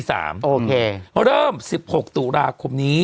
ว่าเริ่มอาทิตย์พวกตราคมนี้